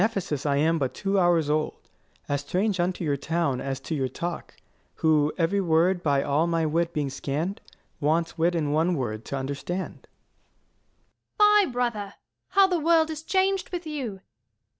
I know you not: In Ephesus I am but two hours old, As strange unto your town as to your talk; Who, every word by all my wit being scann'd, Wants wit in all one word to understand. 150 Luc. Fie, brother! how the world is changed with you!